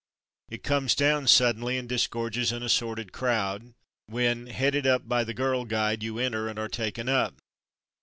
It comes down suddenly and disgorges an assorted crowd, when, headed by the girl guide, you enter and are taken up.